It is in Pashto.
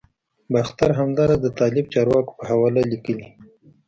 باختر همداراز د طالب چارواکو په حواله لیکلي